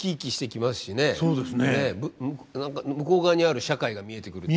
何か向こう側にある社会が見えてくる。